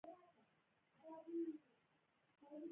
افغانستان کې د اقلیم لپاره دپرمختیا پروګرامونه شته.